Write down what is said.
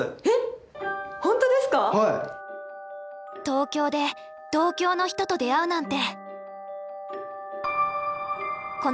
東京で同郷の人と出会うなんて！